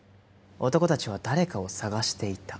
男たちは誰かを捜していた。